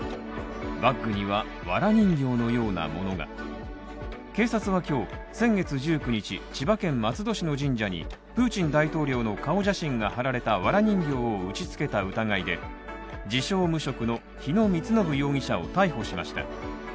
バッグにはわら人形のようなものが警察は今日、先月１９日、千葉県松戸市の神社にプーチン大統領の顔写真が貼られた藁人形を打ちつけた疑いで、自称無職の日野充信容疑者を逮捕しました。